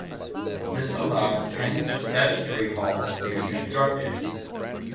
This allowed Penge Vestry Hall to be constructed.